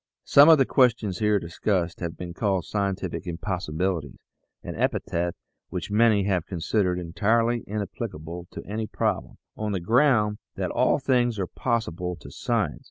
Some of the questions here discussed have been called " scientific impossibilities " an epithet which many have considered entirely inapplicable to any problem, on the ground that all things are possible to science.